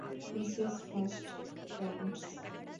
Mrs fast pants.